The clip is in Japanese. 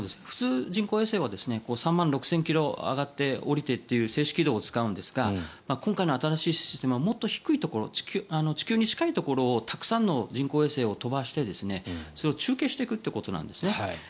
普通、人工衛星は３万６０００ｋｍ上がって下りてっていう静止軌道を使うんですが今回の新しいシステムはもっと低いところ地球に近いところをたくさんの人工衛星を飛ばしてそれを中継していくということなんですね。